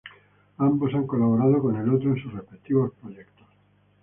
Ambos han colaborado con el otro en sus respectivos proyectos.